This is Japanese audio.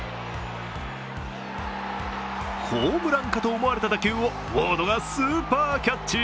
ホームランかと思われた打球をウォードがスーパーキャッチ。